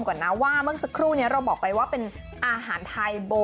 ข้างบัวแห่งสันยินดีต้อนรับทุกท่านนะครับ